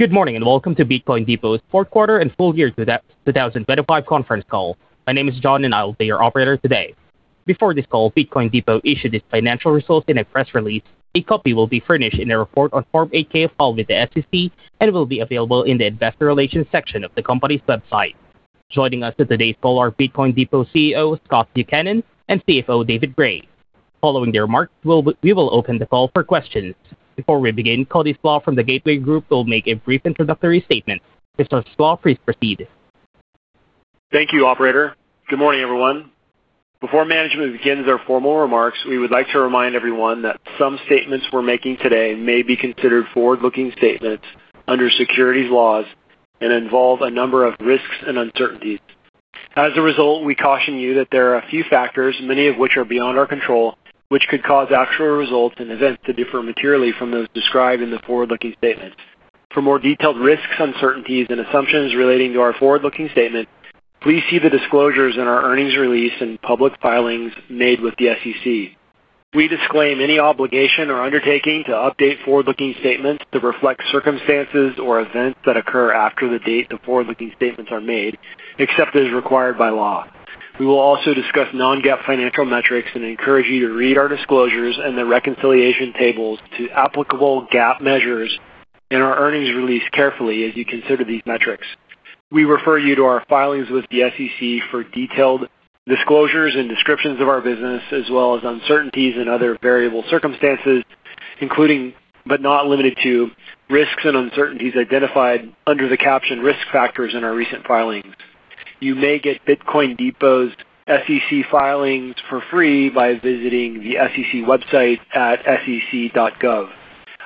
Good morning, and welcome to Bitcoin Depot's fourth quarter and full year 2025 conference call. My name is John, and I'll be your operator today. Before this call, Bitcoin Depot issued its financial results in a press release. A copy will be furnished in a report on Form 8-K filed with the SEC and will be available in the investor relations section of the company's website. Joining us for today's call are Bitcoin Depot CEO, Scott Buchanan, and CFO, David Gray. Following their remarks, we will open the call for questions. Before we begin, Cody Slach from The Gateway Group will make a brief introductory statement. Mr. Slach, please proceed. Thank you, operator. Good morning, everyone. Before management begins their formal remarks, we would like to remind everyone that some statements we're making today may be considered forward-looking statements under securities laws and involve a number of risks and uncertainties. As a result, we caution you that there are a few factors, many of which are beyond our control, which could cause actual results and events to differ materially from those described in the forward-looking statements. For more detailed risks, uncertainties, and assumptions relating to our forward-looking statement, please see the disclosures in our earnings release and public filings made with the SEC. We disclaim any obligation or undertaking to update forward-looking statements to reflect circumstances or events that occur after the date the forward-looking statements are made, except as required by law. We will also discuss non-GAAP financial metrics and encourage you to read our disclosures and the reconciliation tables to applicable GAAP measures in our earnings release carefully as you consider these metrics. We refer you to our filings with the SEC for detailed disclosures and descriptions of our business, as well as uncertainties and other variable circumstances, including, but not limited to, risks and uncertainties identified under the captioned risk factors in our recent filings. You may get Bitcoin Depot's SEC filings for free by visiting the SEC website at sec.gov.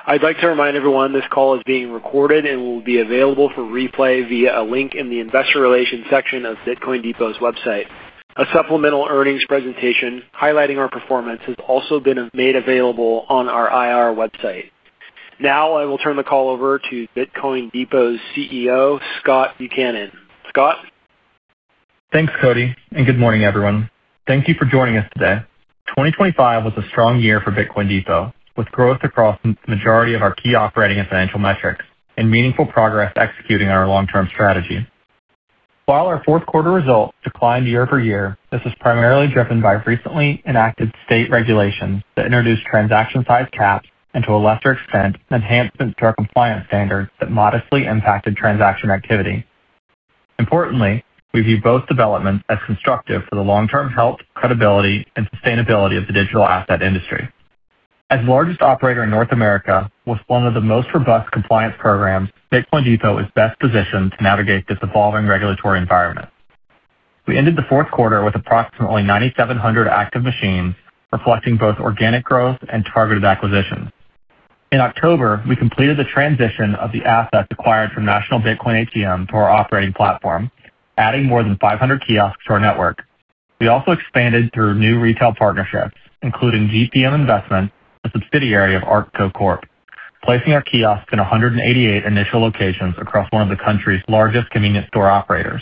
I'd like to remind everyone this call is being recorded and will be available for replay via a link in the investor relations section of Bitcoin Depot's website. A supplemental earnings presentation highlighting our performance has also been made available on our IR website. Now I will turn the call over to Bitcoin Depot's CEO, Scott Buchanan. Scott? Thanks, Cody, and good morning, everyone. Thank you for joining us today. 2025 was a strong year for Bitcoin Depot, with growth across the majority of our key operating and financial metrics and meaningful progress executing our long-term strategy. While our fourth quarter results declined year over year, this was primarily driven by recently enacted state regulations that introduced transaction size caps and to a lesser extent, enhancements to our compliance standards that modestly impacted transaction activity. Importantly, we view both developments as constructive for the long-term health, credibility, and sustainability of the digital asset industry. As largest operator in North America, with one of the most robust compliance programs, Bitcoin Depot is best positioned to navigate this evolving regulatory environment. We ended the fourth quarter with approximately 9,700 active machines, reflecting both organic growth and targeted acquisitions. In October, we completed the transition of the assets acquired from National Bitcoin ATM to our operating platform, adding more than 500 kiosks to our network. We also expanded through new retail partnerships, including GPM Investments, a subsidiary of ARKO Corp., placing our kiosks in 188 initial locations across one of the country's largest convenience store operators.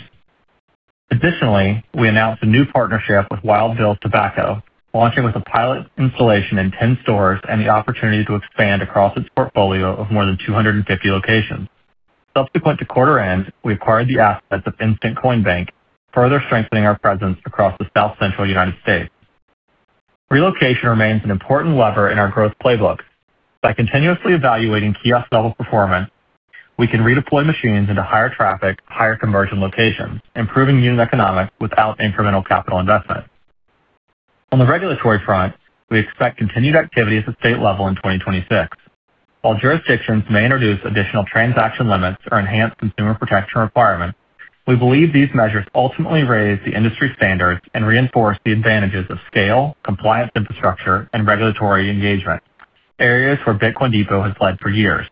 Additionally, we announced a new partnership with Wild Bill's Tobacco, launching with a pilot installation in 10 stores and the opportunity to expand across its portfolio of more than 250 locations. Subsequent to quarter end, we acquired the assets of Instant Coin Bank, further strengthening our presence across the South Central United States. Relocation remains an important lever in our growth playbook. By continuously evaluating kiosk level performance, we can redeploy machines into higher traffic, higher conversion locations, improving unit economics without incremental capital investment. On the regulatory front, we expect continued activity at the state level in 2026. While jurisdictions may introduce additional transaction limits or enhanced consumer protection requirements, we believe these measures ultimately raise the industry standards and reinforce the advantages of scale, compliance infrastructure, and regulatory engagement, areas where Bitcoin Depot has led for years.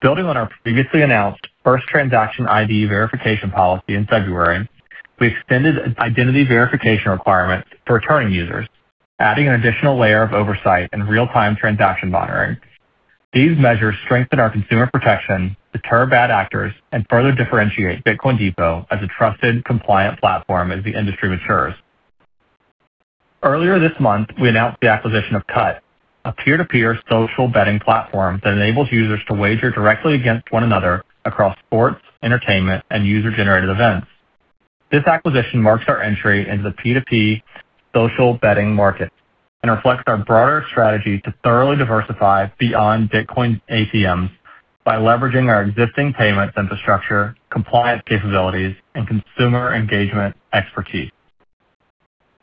Building on our previously announced First-Transaction ID Verification policy in February, we extended identity verification requirements for returning users, adding an additional layer of oversight and real-time transaction monitoring. These measures strengthen our consumer protection, deter bad actors, and further differentiate Bitcoin Depot as a trusted compliant platform as the industry matures. Earlier this month, we announced the acquisition of Kutt, a peer-to-peer social betting platform that enables users to wager directly against one another across sports, entertainment, and user-generated events. This acquisition marks our entry into the P2P social betting market and reflects our broader strategy to thoroughly diversify beyond Bitcoin ATMs by leveraging our existing payment infrastructure, compliance capabilities, and consumer engagement expertise.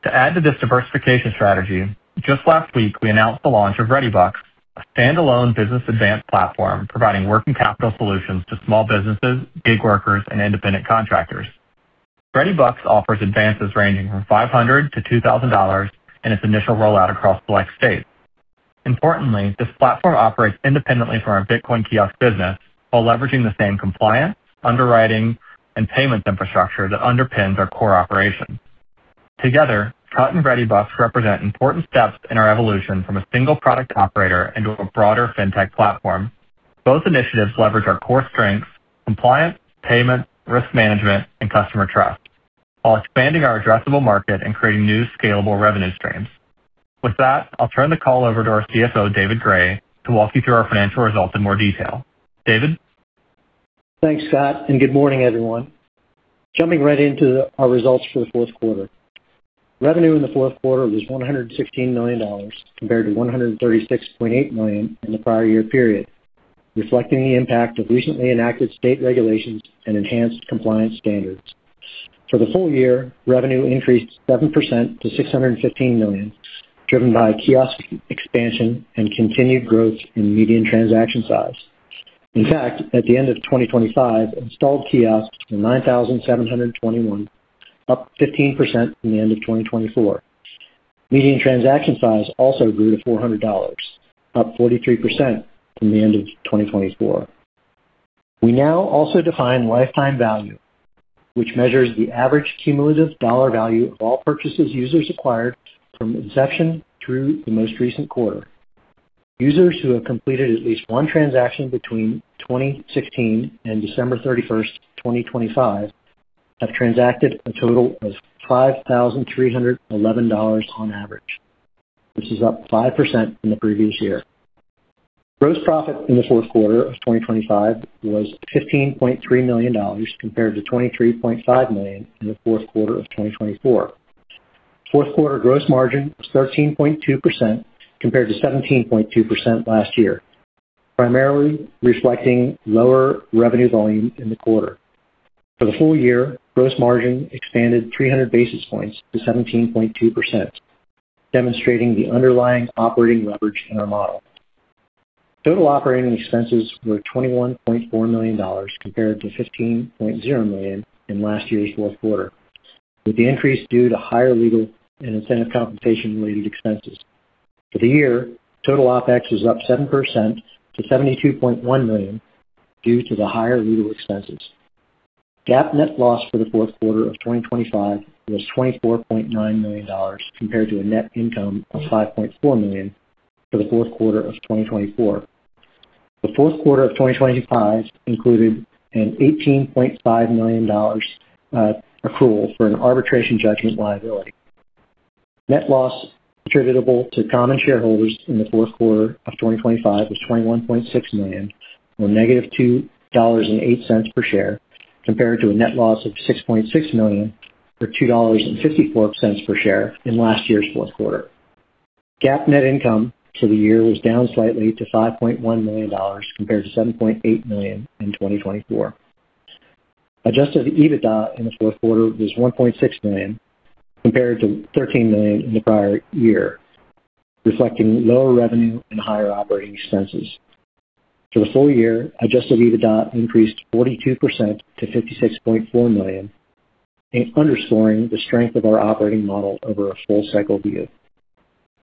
To add to this diversification strategy, just last week we announced the launch of ReadyBucks, a standalone business advance platform providing working capital solutions to small businesses, gig workers, and independent contractors. ReadyBucks offers advances ranging from $500-$2,000 in its initial rollout across select states. Importantly, this platform operates independently from our Bitcoin kiosk business while leveraging the same compliance, underwriting, and payments infrastructure that underpins our core operations. Together, Kutt and ReadyBucks represent important steps in our evolution from a single product operator into a broader fintech platform. Both initiatives leverage our core strengths, compliance, payment, risk management, and customer trust, while expanding our addressable market and creating new scalable revenue streams. With that, I'll turn the call over to our CFO, David Gray, to walk you through our financial results in more detail. David? Thanks, Scott, and good morning, everyone. Jumping right into our results for the fourth quarter. Revenue in the fourth quarter was $116 million compared to $136.8 million in the prior year period, reflecting the impact of recently enacted state regulations and enhanced compliance standards. For the full year, revenue increased 7% to $615 million, driven by kiosk expansion and continued growth in median transaction size. In fact, at the end of 2025, installed kiosks were 9,721, up 15% from the end of 2024. Median transaction size also grew to $400, up 43% from the end of 2024. We now also define lifetime value, which measures the average cumulative dollar value of all purchases users acquired from inception through the most recent quarter. Users who have completed at least one transaction between 2016 and December 31, 2025, have transacted a total of $5,311 on average, which is up 5% from the previous year. Gross profit in the fourth quarter of 2025 was $15.3 million compared to $23.5 million in the fourth quarter of 2024. Fourth quarter gross margin was 13.2% compared to 17.2% last year, primarily reflecting lower revenue volume in the quarter. For the full year, gross margin expanded 300 basis points to 17.2%, demonstrating the underlying operating leverage in our model. Total operating expenses were $21.4 million compared to $15.0 million in last year's fourth quarter, with the increase due to higher legal and incentive compensation-related expenses. For the year, total OpEx was up 7% to $72.1 million due to the higher legal expenses. GAAP net loss for the fourth quarter of 2025 was $24.9 million compared to a net income of $5.4 million for the fourth quarter of 2024. The fourth quarter of 2025 included an $18.5 million accrual for an arbitration judgment liability. Net loss attributable to common shareholders in the fourth quarter of 2025 was $21.6 million or -$2.08 per share, compared to a net loss of $6.6 million or -$2.54 per share in last year's fourth quarter. GAAP net income for the year was down slightly to $5.1 million compared to $7.8 million in 2024. Adjusted EBITDA in the fourth quarter was $1.6 million compared to $13 million in the prior year, reflecting lower revenue and higher operating expenses. For the full year, adjusted EBITDA increased 42% to $56.4 million and underscoring the strength of our operating model over a full cycle view.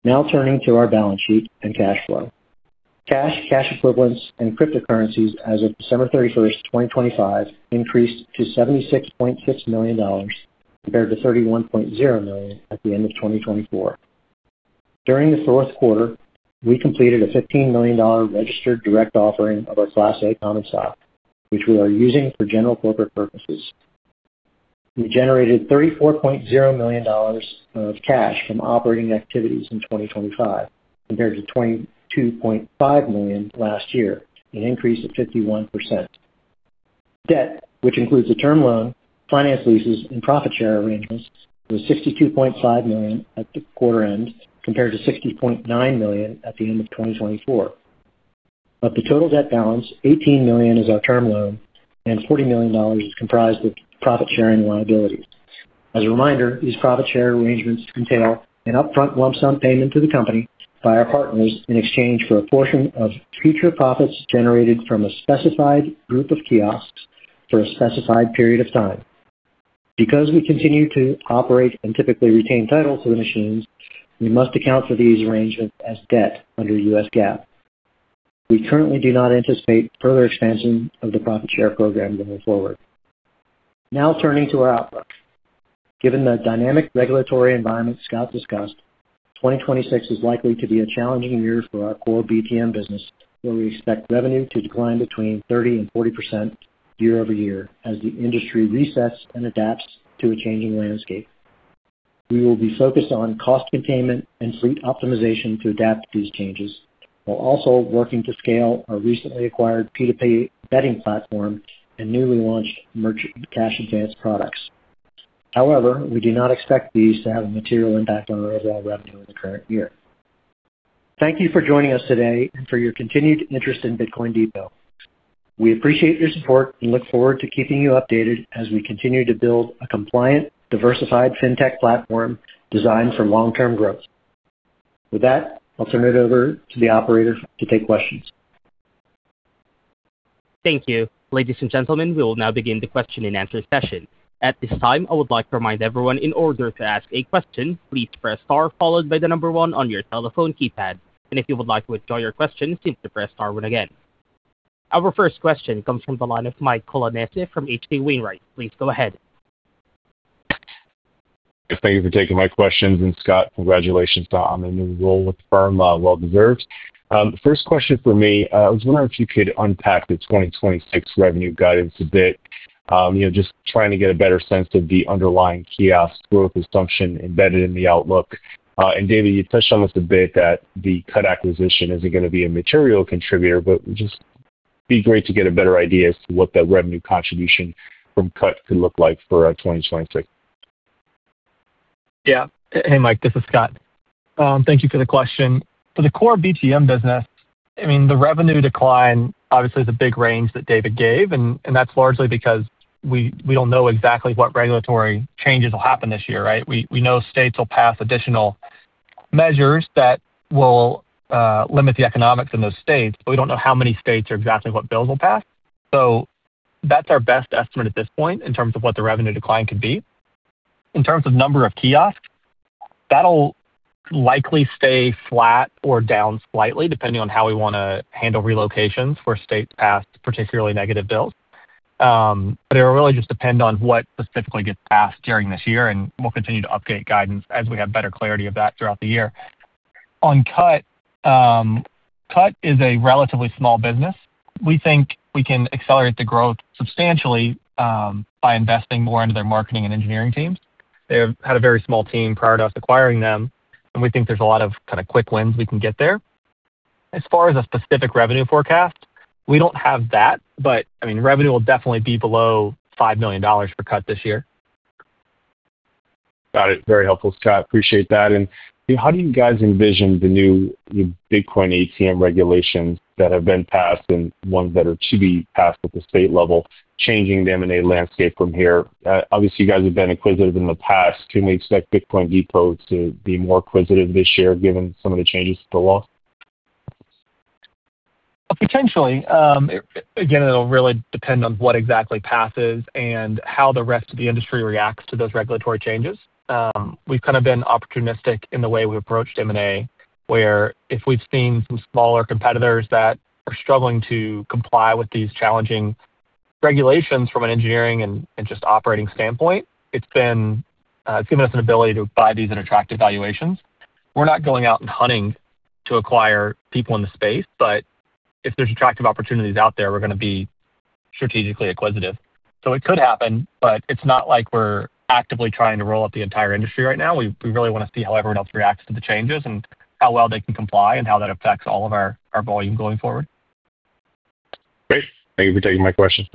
Now turning to our balance sheet and cash flow. Cash, cash equivalents, and cryptocurrencies as of December 31, 2025 increased to $76.6 million compared to $31.0 million at the end of 2024. During the fourth quarter, we completed a $15 million registered direct offering of our Class A common stock, which we are using for general corporate purposes. We generated $34.0 million of cash from operating activities in 2025 compared to $22.5 million last year, an increase of 51%. Debt, which includes the term loan, finance leases, and profit share arrangements, was $62.5 million at the quarter end compared to $60.9 million at the end of 2024. Of the total debt balance, $18 million is our term loan and $40 million is comprised of profit-sharing liabilities. As a reminder, these profit share arrangements entail an upfront lump sum payment to the company by our partners in exchange for a portion of future profits generated from a specified group of kiosks for a specified period of time. Because we continue to operate and typically retain title to the machines, we must account for these arrangements as debt under U.S. GAAP. We currently do not anticipate further expansion of the profit share program going forward. Now turning to our outlook. Given the dynamic regulatory environment Scott discussed, 2026 is likely to be a challenging year for our core BTM business, where we expect revenue to decline between 30%-40% year-over-year as the industry resets and adapts to a changing landscape. We will be focused on cost containment and fleet optimization to adapt to these changes, while also working to scale our recently acquired P2P betting platform and newly launched merchant cash advance products. However, we do not expect these to have a material impact on our overall revenue in the current year. Thank you for joining us today and for your continued interest in Bitcoin Depot. We appreciate your support and look forward to keeping you updated as we continue to build a compliant, diversified fintech platform designed for long-term growth. With that, I'll turn it over to the operator to take questions. Thank you. Ladies and gentlemen, we will now begin the question and answer session. At this time, I would like to remind everyone, in order to ask a question, please press star followed by the number one on your telephone keypad. If you would like to withdraw your question, simply press star one again. Our first question comes from the line of Mike Colonnese from H.C. Wainwright. Please go ahead. Thank you for taking my questions. Scott, congratulations on the new role with the firm. Well deserved. First question for me, I was wondering if you could unpack the 2026 revenue guidance a bit. You know, just trying to get a better sense of the underlying kiosk growth assumption embedded in the outlook. David, you touched on this a bit that the Kutt acquisition isn't gonna be a material contributor, but just be great to get a better idea as to what that revenue contribution from Kutt could look like for 2026. Yeah. Hey, Mike, this is Scott. Thank you for the question. For the core BTM business, I mean, the revenue decline, obviously the big range that David gave, and that's largely because we don't know exactly what regulatory changes will happen this year, right? We know states will pass additional measures that will limit the economics in those states, but we don't know how many states or exactly what bills will pass. That's our best estimate at this point in terms of what the revenue decline could be. In terms of number of kiosks, that'll likely stay flat or down slightly depending on how we wanna handle relocations where states passed particularly negative bills. It will really just depend on what specifically gets passed during this year, and we'll continue to update guidance as we have better clarity of that throughout the year. On Kutt is a relatively small business. We think we can accelerate the growth substantially by investing more into their marketing and engineering teams. They have had a very small team prior to us acquiring them, and we think there's a lot of kinda quick wins we can get there. As far as a specific revenue forecast, we don't have that, but I mean, revenue will definitely be below $5 million for Kutt this year. Got it. Very helpful, Scott. Appreciate that. How do you guys envision the new Bitcoin ATM regulations that have been passed and ones that are to be passed at the state level changing the M&A landscape from here? Obviously, you guys have been acquisitive in the past. Can we expect Bitcoin Depot to be more acquisitive this year given some of the changes to the law? Potentially. Again, it'll really depend on what exactly passes and how the rest of the industry reacts to those regulatory changes. We've kinda been opportunistic in the way we approached M&A, where if we've seen some smaller competitors that are struggling to comply with these challenging regulations from an engineering and just operating standpoint, it's given us an ability to buy these at attractive valuations. We're not going out and hunting to acquire people in the space, but if there's attractive opportunities out there, we're gonna be strategically acquisitive. It could happen, but it's not like we're actively trying to roll up the entire industry right now. We really wanna see how everyone else reacts to the changes and how well they can comply and how that affects all of our volume going forward. Great. Thank you for taking my question.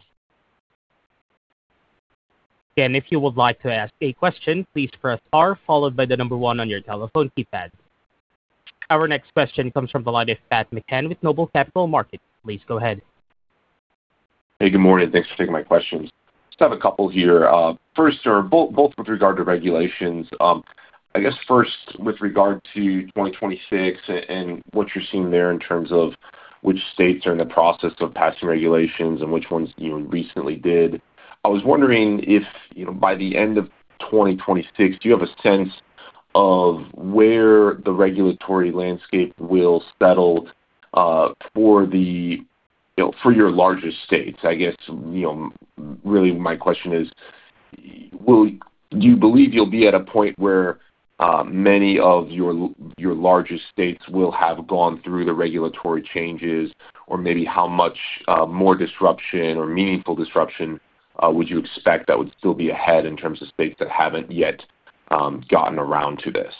If you would like to ask a question, please press star followed by the number one on your telephone keypad. Our next question comes from the line of Patrick McCann with Noble Capital Markets. Please go ahead. Hey, good morning. Thanks for taking my questions. Just have a couple here. Both with regard to regulations. I guess first with regard to 2026 and what you're seeing there in terms of which states are in the process of passing regulations and which ones, you know, recently did. I was wondering if, you know, by the end of 2026, do you have a sense of where the regulatory landscape will settle for the, you know, for your largest states? I guess, you know, really my question is, do you believe you'll be at a point where many of your largest states will have gone through the regulatory changes? Maybe how much more disruption or meaningful disruption would you expect that would still be ahead in terms of states that haven't yet gotten around to this?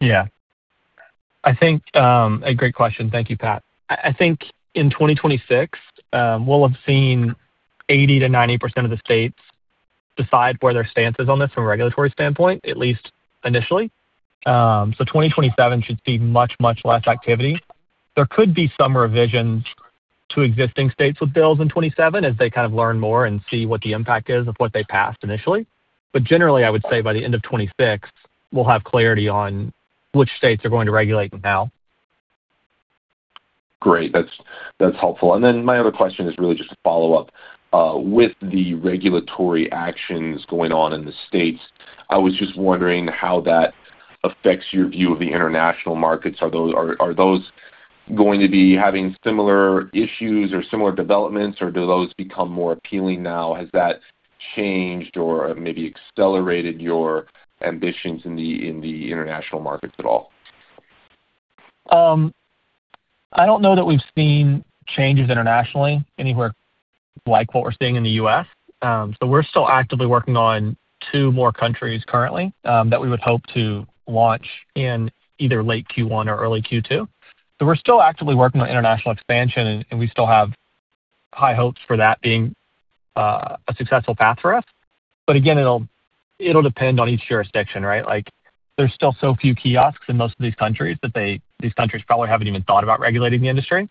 Yeah. I think a great question. Thank you, Pat. I think in 2026, we'll have seen 80%-90% of the states decide where their stance is on this from a regulatory standpoint, at least initially. 2027 should see much, much less activity. There could be some revisions to existing states with bills in 2027 as they kind of learn more and see what the impact is of what they passed initially. Generally, I would say by the end of 2026, we'll have clarity on which states are going to regulate and how. Great. That's helpful. Then my other question is really just a follow-up. With the regulatory actions going on in the states, I was just wondering how that affects your view of the international markets. Are those going to be having similar issues or similar developments, or do those become more appealing now? Has that changed or maybe accelerated your ambitions in the international markets at all? I don't know that we've seen changes internationally anywhere like what we're seeing in the U.S. We're still actively working on two more countries currently, that we would hope to launch in either late Q1 or early Q2. We're still actively working on international expansion, and we still have high hopes for that being a successful path for us. But again, it'll depend on each jurisdiction, right? Like, there's still so few kiosks in most of these countries that these countries probably haven't even thought about regulating the industry.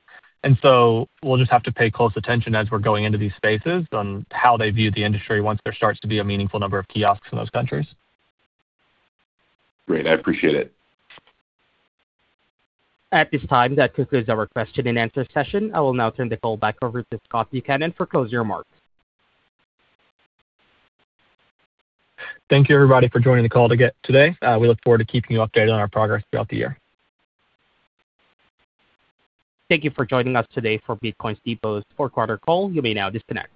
We'll just have to pay close attention as we're going into these spaces on how they view the industry once there starts to be a meaningful number of kiosks in those countries. Great. I appreciate it. At this time, that concludes our question and answer session. I will now turn the call back over to Scott Buchanan for closing remarks. Thank you, everybody, for joining the call today. We look forward to keeping you updated on our progress throughout the year. Thank you for joining us today for Bitcoin Depot's fourth quarter call. You may now disconnect.